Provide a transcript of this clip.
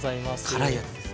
辛いやつですね。